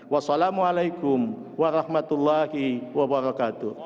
wassalamu'alaikum warahmatullahi wabarakatuh